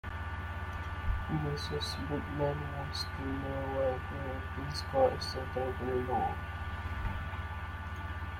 Mrs Brickman wants to know why her rating score is so terribly low.